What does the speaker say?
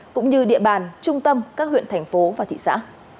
cũng như địa bàn trung tâm các huyện thành phố và thị xã